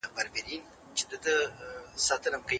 موږ به په راتلونکي کې نور مډالونه هم وګټو.